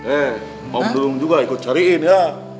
eh om dudung juga ikut cariin ya